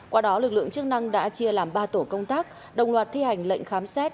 qua đó lực lượng chức năng đã chia làm ba tổ công tác đồng loạt thi hành lệnh khám xét